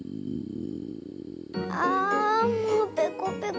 ああもうペコペコ。